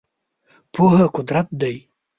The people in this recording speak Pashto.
پوهه قدرت دی .